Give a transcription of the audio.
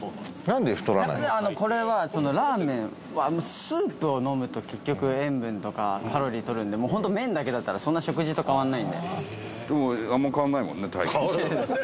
白濱：これは、ラーメンはスープを飲むと、結局塩分とか、カロリー取るんでもう本当、麺だけだったらそんな食事と変わらないんで。